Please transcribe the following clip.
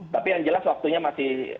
tapi yang jelas waktunya masih